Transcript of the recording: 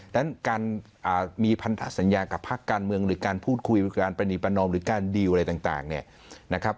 นั้นการมีพันธสัญญากับภาคการเมืองหรือการพูดคุยหรือการประนีประนอมหรือการดีลอะไรต่างเนี่ยนะครับ